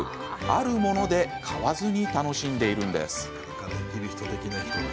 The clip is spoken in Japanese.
あるもので買わずに楽しんでいるんです。